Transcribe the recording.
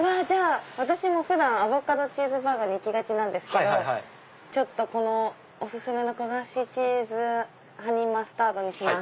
私普段アボカドチーズバーガー行きがちなんですけどこのお薦めの焦がしチーズ＆ハニーマスタードにします。